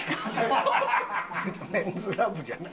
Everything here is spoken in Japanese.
メンズラブじゃない。